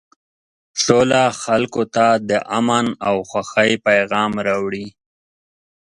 سوله خلکو ته د امن او خوښۍ پیغام راوړي.